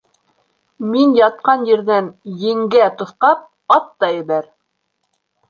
Мин ятҡан ерҙән, енгә тоҫҡап, ат та ебәр.